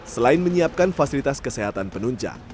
selain menyiapkan fasilitas kesehatan penunjang